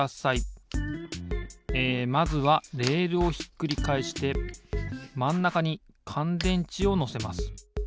えまずはレールをひっくりかえしてまんなかにかんでんちをのせます。